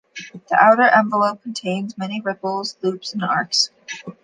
The outer envelope contained many ripples, loops, and arcs.